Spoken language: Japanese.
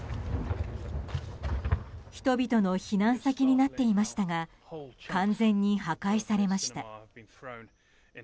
人々の避難先になっていましたが完全に破壊されました。